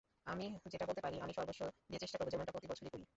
আমি যেটা বলতে পারি, আমি সর্বস্ব দিয়ে চেষ্টা করব, যেমনটা প্রতিবছরই করি।